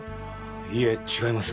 いいえ違います。